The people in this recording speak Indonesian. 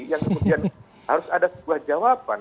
yang kemudian harus ada sebuah jawaban